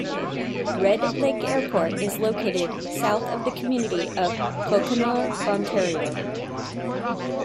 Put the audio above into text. Red Lake Airport is located south of the community of Cochenour, Ontario.